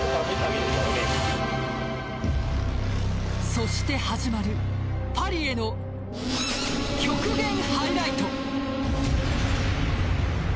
そして始まる、パリへの極限ハイライト。